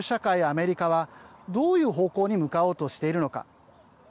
アメリカはどういう方向に向かおうとしているのか。